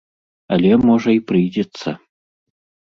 Але, можа, і прыйдзецца!